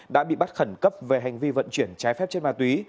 đã bị bắt khẩn cấp về hành vi vận chuyển trái phép chất ma túy